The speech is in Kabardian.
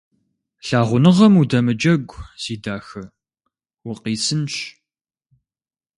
Лъагъуныгъэм удэмыджэгу, си дахэ, укъисынщ.